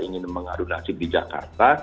ingin mengadu nasib di jakarta